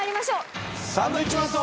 サンドウィッチマンと。